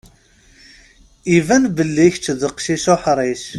Iban belli kečči d aqcic uḥṛic.